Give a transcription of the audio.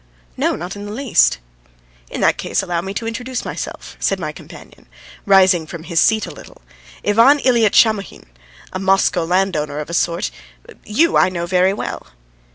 "No, not in the least." "In that case, allow me to introduce myself," said my companion, rising from his seat a little: "Ivan Ilyitch Shamohin, a Moscow landowner of a sort. ... You I know very well."